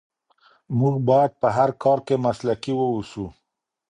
موږ باید په هر کار کې مسلکي واوسو.